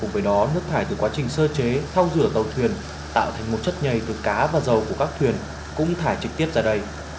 với đó nước thải từ quá trình sơ chế thao rửa tàu thuyền tạo thành một chất nhầy từ cá và dầu của các thuyền cũng thải trực tiếp ra đây